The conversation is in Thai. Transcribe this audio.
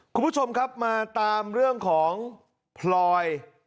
คุณผู้ชมครับมาตามเรื่องของพลอย